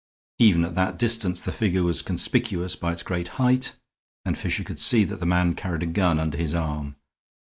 Even at that distance the figure was conspicuous by its great height and Fisher could see that the man carried a gun under his arm.